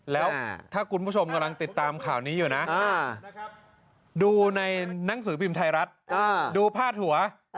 แล้วถ้าคุณผู้ชมกำลังติดตามข่าวนี้อยู่นะดูในหนังสือพิมพ์ไทยรัฐดูพาดหัว